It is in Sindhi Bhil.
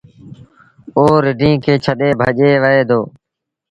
اوٚ رڍينٚ کي ڇڏي ڀڄي وهي دو۔